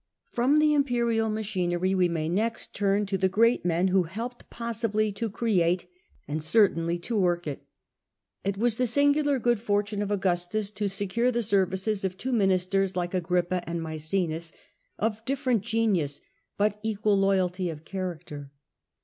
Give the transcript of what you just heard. From the imperial machinery we may next turn to the great men who helped possibly to create and cer tainly to work it. It was the singular good ITie chief c . c ^. .u r ministers of fortunc of Augustus to sccui e the services of Augxistus. ministers like Agrippa and Maecenas, of different genius but equal loyalty of character.